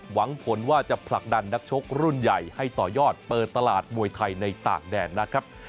หวังผลว่าจะผลักดันนักชกรุ่นใหญ่ให้ต่อยอดเปิดตลาดมวยไทยในต่างแดนนะครับ